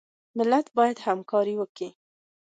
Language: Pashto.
ملت باید همکاري وکړي